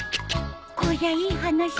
こりゃいい話だね。